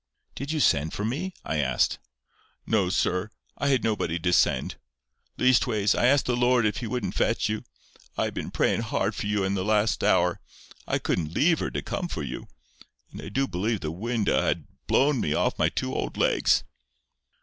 "Did you send for me?" I asked. "No, sir. I had nobody to send. Leastways, I asked the Lord if He wouldn't fetch you. I been prayin' hard for you for the last hour. I couldn't leave her to come for you. And I do believe the wind 'ud ha' blown me off my two old legs."